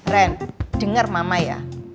ren denger mama ya